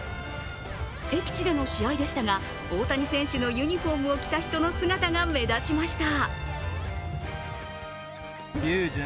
敵地での試合でしたが大谷選手のユニフォームを着た人が目立ちました。